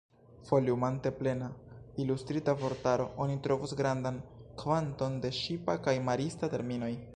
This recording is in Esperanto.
Foliumante Plena Ilustrita Vortaro, oni trovos grandan kvanton de ŝipa kaj marista terminoj.